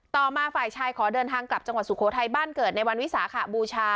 ต่อมาฝ่ายชายขอเดินทางกลับจังหวัดสุโขทัยบ้านเกิดในวันวิสาขบูชา